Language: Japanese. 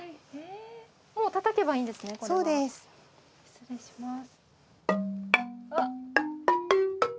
失礼します。